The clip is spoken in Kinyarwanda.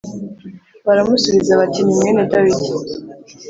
Baramusubiza bati ni mwene Dawidi